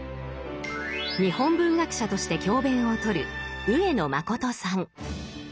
日本文学者として教鞭を執る上野誠さん。